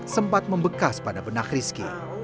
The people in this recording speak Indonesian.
sempat membekas pada benak rizky